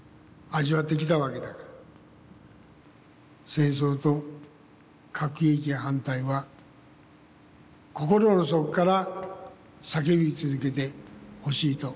戦争と核兵器反対は心の底から叫び続けてほしいと思います。